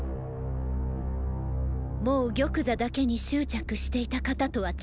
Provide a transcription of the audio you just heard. もう玉座だけに執着していた方とは違います。